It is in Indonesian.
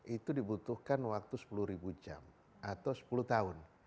itu dibutuhkan waktu sepuluh jam atau sepuluh tahun